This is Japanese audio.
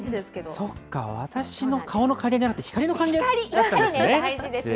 そっか、私の顔の加減ではなくて、光の加減だったんですね。